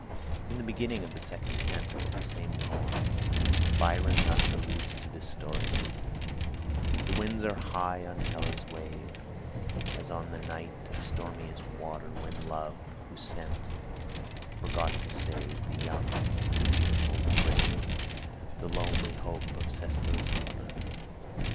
In the beginning of the second canto of the same poem, Byron thus alludes to this story: "The winds are high on Helle's wave, As on that night of stormiest water, When Love, who sent, forgot to save The young, the beautiful, the brave, The lonely hope of Sestos' daughter.